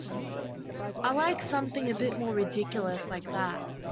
I liked something a bit more ridiculous like that.